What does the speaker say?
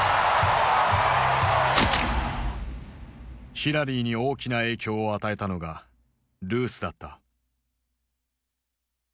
ヒラリーに大きな影響を与えたのがルースだった。